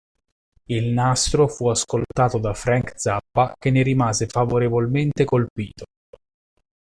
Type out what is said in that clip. Il nastro fu ascoltato da Frank Zappa che ne rimase favorevolmente colpito.